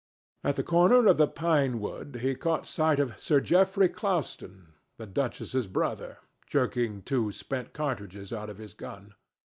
At the corner of the pine wood he caught sight of Sir Geoffrey Clouston, the duchess's brother, jerking two spent cartridges out of his gun.